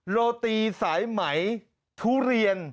โรตีสายไหมทุเรียน